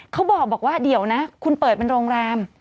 เขาบอกว่าเดี๋ยวนะคุณเปิดเป็นโรงแรม